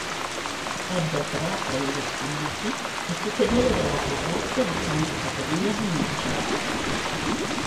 Ebbe tre apprendisti noti e fu fedele della parrocchia di Santa Caterina di Murcia.